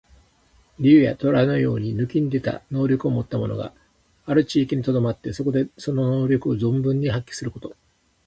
竜や、とらのように抜きんでた能力をもった者がある地域にとどまって、そこでその能力を存分に発揮すること。